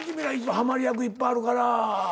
はまり役いっぱいあるから。